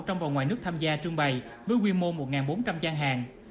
trong và ngoài nước tham gia trưng bày với quy mô một bốn trăm linh gian hàng